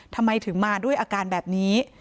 ทำไมถึงมาด้วยอาการแบบนี้